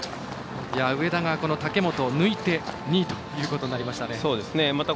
上田が武本を抜いて２位ということになりました。